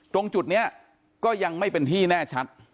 ตรงจุดนี้ก็ยังไม่เป็นที่แน่ชัด